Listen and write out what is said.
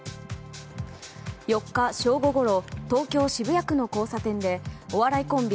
４日正午ごろ東京・渋谷区の交差点でお笑いコンビ